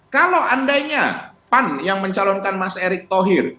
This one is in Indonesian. kalau andainya pan yang mencalonkan mas erick thohir